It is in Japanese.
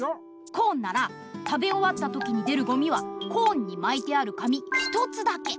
コーンなら食べおわったときに出るゴミはコーンにまいてある紙１つだけ。